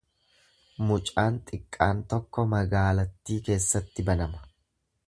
Mucaan xiqqaan tokko magaalattii keessatti banama.